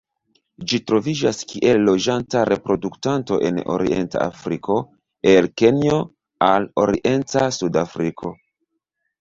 Ĝi troviĝas kiel loĝanta reproduktanto en orienta Afriko el Kenjo al orienta Sudafriko.